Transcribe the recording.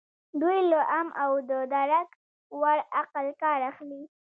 دوی له عام او د درک وړ عقل کار اخلي.